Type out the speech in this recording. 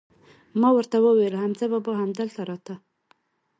ما ور ته وویل: حمزه بابا هم دلته راته؟